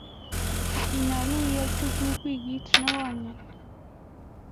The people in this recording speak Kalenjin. Kinyalu iyai kunotok wikit nigonye.